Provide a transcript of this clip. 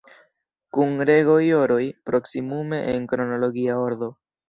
Kun rego-joroj; proksimume en kronologia ordo.